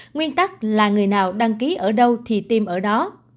nguyên tắc là người nào đăng ký ở đâu thì tiêm ở đó